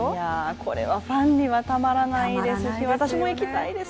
これはファンにはたまらないですし私も行きたいです。